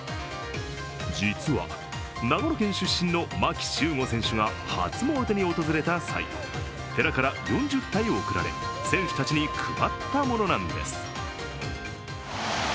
実は、長野県出身の牧秀悟選手が初詣に訪れた際、寺から４０体贈られ、選手たちに配ったものなんです。